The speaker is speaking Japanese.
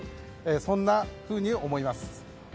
そんなふうに思います。